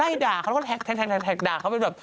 ไล่ด่าเขาก็แท็กต่างด่าเขาเลยแบบ